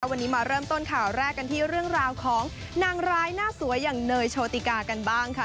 วันนี้มาเริ่มต้นข่าวแรกกันที่เรื่องราวของนางร้ายหน้าสวยอย่างเนยโชติกากันบ้างค่ะ